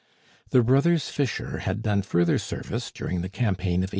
The brothers Fischer had done further service during the campaign of 1804.